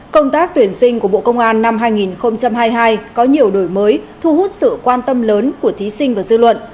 công tác tuyển sinh của bộ công an năm hai nghìn hai mươi hai có nhiều đổi mới thu hút sự quan tâm lớn của thí sinh và dư luận